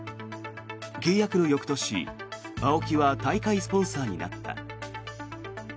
契約の翌年、ＡＯＫＩは大会スポンサーになった。